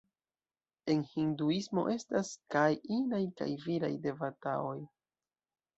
En Hinduismo estas kaj inaj kaj viraj devata-oj.